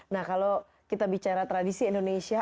nah kalau kita bicara tradisi indonesia